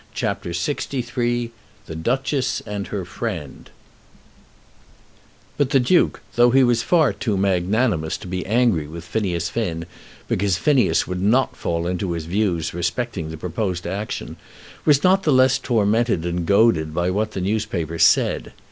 CHAPTER LXIII The Duchess and Her Friend But the Duke, though he was by far too magnanimous to be angry with Phineas Finn because Phineas would not fall into his views respecting the proposed action, was not the less tormented and goaded by what the newspaper said.